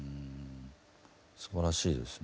すばらしいですよね。